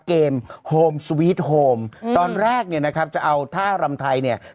เกมโฮมสวีทโฮมตอนแรกเนี่ยนะครับจะเอาท่ารำไทยเนี่ย